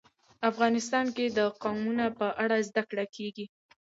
افغانستان کې د قومونه په اړه زده کړه کېږي.